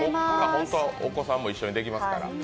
本当はお子さんも一緒にできますから。